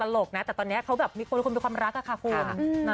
ลกนะแต่ตอนนี้เขาแบบมีคนมีความรักค่ะคุณ